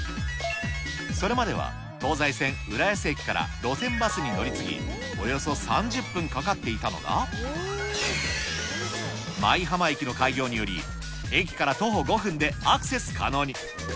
それまでは、東西線浦安駅から路線バスに乗り継ぎ、およそ３０分かかっていたのが、舞浜駅の開業により、駅から徒歩５分でアクセス可能に。